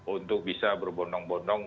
untuk bisa berbondong bondong